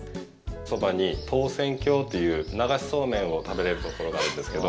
そばに、唐船峡という流しそうめんを食べれるところがあるんですけど。